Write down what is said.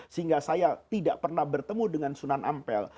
sehingga saya tidak pernah bertemu dengan sunan ampel